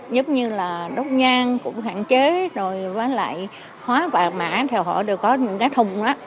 giống như là đốt nhan cũng hạn chế rồi với lại hóa bạc mã thì họ đều có những cái thùng đó